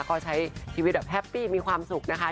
ก็ใช้ชีวิตแบบแฮปปี้มีความสุขนะคะ